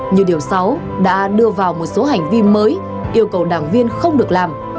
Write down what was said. như điều sáu đã đưa vào một số hành vi mới yêu cầu đảng viên không được làm